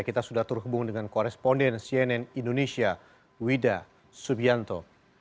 kita sudah terhubung dengan koresponden cnn indonesia wida subianto